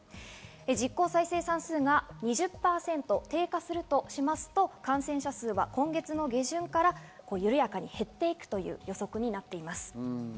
実効再生産数が２０％低下するとしますと、感染者数は今月の下旬から緩やかに減っていくという予測になっています。